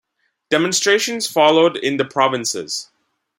Demonstrations followed in the provinces.